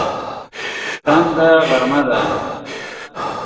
ټکنده غرمه ده